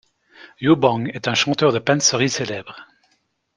Youbong est un chanteur de pansori célèbre.